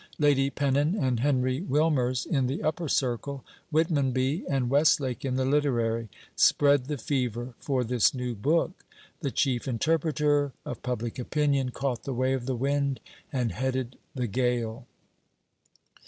Lady Pennon and Henry Wilmers, in the upper circle; Whitmonby and Westlake, in the literary; spread the fever for this new book. The chief interpreter of public opinion caught the way of the wind and headed the gale.